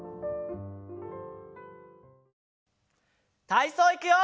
たいそういくよ！